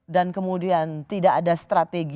dan kemudian tidak ada strategi